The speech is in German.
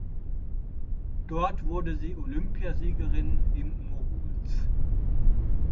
Dort wurde sie Olympiasiegerin im Moguls.